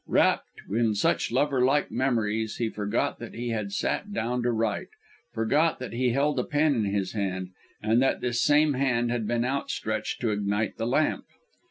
Wrapt in such lover like memories, he forgot that he had sat down to write forgot that he held a pen in his hand and that this same hand had been outstretched to ignite the lamp.